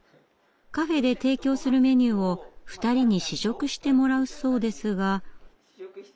カフェで提供するメニューを２人に試食してもらうそうですが。